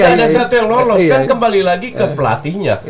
nggak ada satu yang lolos kembali lagi ke pelatihnya